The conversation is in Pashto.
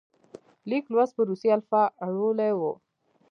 لیک لوست په روسي الفبا اړولی وو.